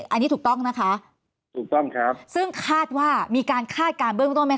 อันนี้ถูกต้องนะคะถูกต้องครับซึ่งคาดว่ามีการคาดการณ์เบื้องต้นไหมค